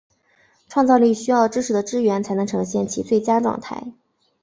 创造力需要知识的支援才能呈现其最佳状态。